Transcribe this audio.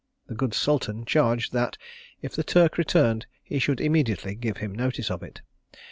The good sultan charged that, if the Turk returned, he should immediately give him notice of it.